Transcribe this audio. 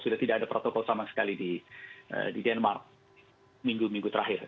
sudah tidak ada protokol sama sekali di denmark minggu minggu terakhir